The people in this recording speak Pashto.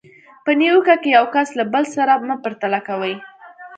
په نیوکه کې یو کس له بل سره مه پرتله کوئ.